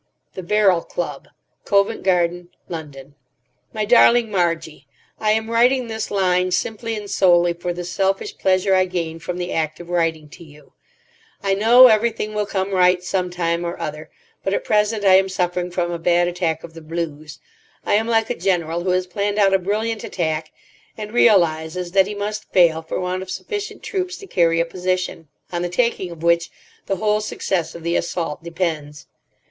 The Barrel Club, Covent Garden, London. MY DARLING MARGIE,—I am writing this line simply and solely for the selfish pleasure I gain from the act of writing to you. I know everything will come right some time or other, but at present I am suffering from a bad attack of the blues. I am like a general who has planned out a brilliant attack, and realises that he must fail for want of sufficient troops to carry a position, on the taking of which the whole success of the assault depends.